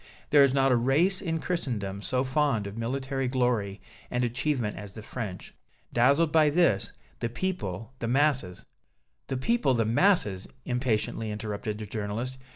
There is not a race in Christendom so fond of military glory and achievement as the French. Dazzled by this, the people, the masses " "The people, the masses!" impatiently interrupted the journalist.